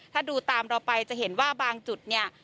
ถ้าดูตามเราไปจะเห็นว่าบางจุดเนี่ย